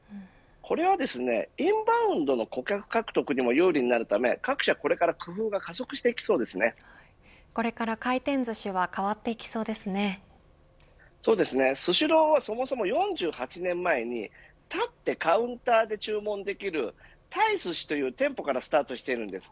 これはインバウンドの顧客獲得にも有利になるため各社、これから工夫がこれから回転ずしはスシローはそもそも４８年前に立って、カウンターで注文できる鯛すしという店舗からスタートしているんです。